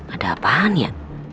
ada apaan ya